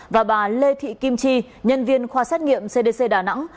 và bà lê thị kim chi nhân viên khoa xét nghiệm cdc đà nẵng